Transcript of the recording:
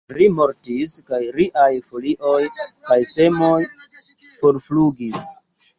Ri mortis, kaj riaj folioj kaj semoj forflugis.